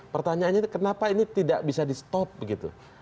pertanyaannya kenapa ini tidak bisa di stop begitu